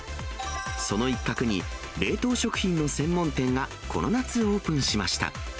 その一角に、冷凍食品の専門店がこの夏、オープンしました。